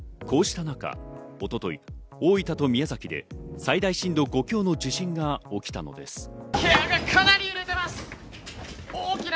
こうした中、一昨日、大分と宮崎で最大震度５強の地震が起きたのです。